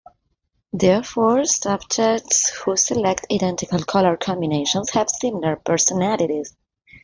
Therefore, subjects who select identical color combinations have similar personalities.